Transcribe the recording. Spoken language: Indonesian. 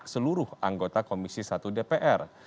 seluruh anggota komisi satu dpr